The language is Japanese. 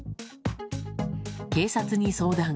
警察に相談。